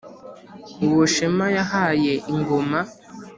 uwo shema yahaye ingoma